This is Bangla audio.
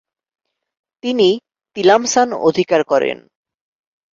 তিনি তিলামসান অধিকার করেন।